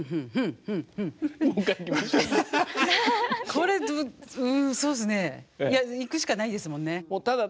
これうんそうですねいや行くしかないですもんね。